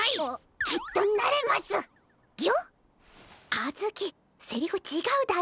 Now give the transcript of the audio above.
あずきセリフちがうだろ。